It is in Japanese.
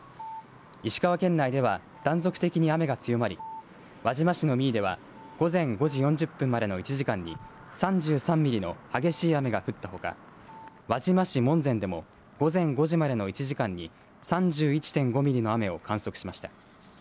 石川県内では断続的に雨が強まり輪島市の三井では午前５時４０分までの１時間に３３ミリの激しい雨が降ったほか輪島市門前でも午前５時までの１時間に３１．５ミリの雨を観測しました。